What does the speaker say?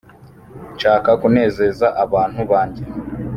nshaka kunezeza abantu banjye